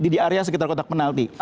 di area sekitar kotak penalti